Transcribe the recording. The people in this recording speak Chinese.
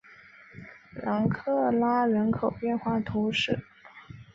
然克拉人口变化图示